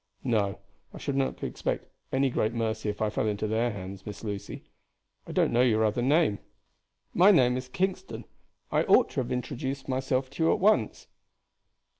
"No. I should not expect any great mercy if I fell into their hands, Miss Lucy. I don't know your other name." "My name is Kingston. I ought to have introduced myself to you at once."